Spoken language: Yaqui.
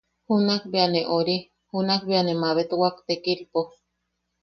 Junak bea ne ori... junak be ne mabetwak tekilpo.